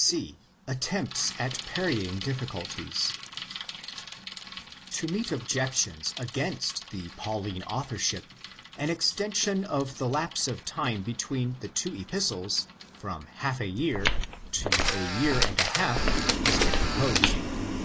C.—Aittempts at Parrying Difficulties. To meet objections against the Pauline authorship an extension of the lapse of time between the two Epistles from half a year to ἃ year and a half has been proposed.